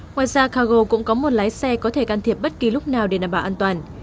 ngoài ra cargo cũng có một lái xe có thể can thiệp bất kỳ lúc nào để đảm bảo an toàn